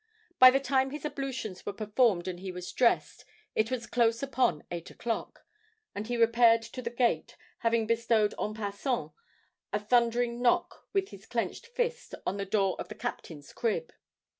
By the time his ablutions were performed and he was dressed, it was close upon eight o'clock; and he repaired to the gate, having bestowed en passant a thundering knock with his clenched fist on the door of the captain's crib.